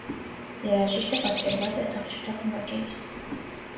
Երաժիշտը պատկերված է թավջութակ նվագելիս։